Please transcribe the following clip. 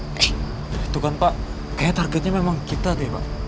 itu kan pak kayaknya targetnya memang kita deh pak